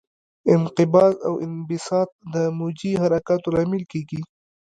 انقباض او انبساط د موجي حرکاتو لامل کېږي.